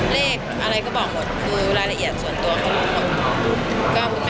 เลขอะไรก็บอกหมดคือรายละเอียดส่วนตัวของลุงพล